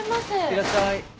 いらっしゃい。